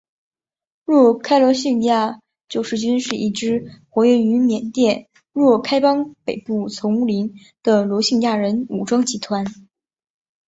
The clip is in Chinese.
若开罗兴亚救世军是一支活跃于缅甸若开邦北部丛林的罗兴亚人武装集团。